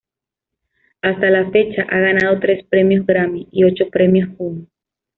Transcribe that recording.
Hasta la fecha, ha ganado tres premios Grammy y ocho premios Juno.